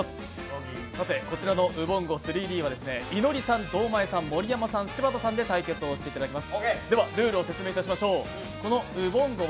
こちらの「ウボンゴ３Ｄ」はいのりさん、堂前さん、盛山さん、柴田さんで対決をしていただきます。